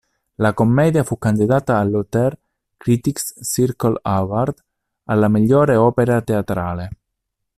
La commedia fu candidata all'Outer Critics Circle Award alla migliore opera teatrale.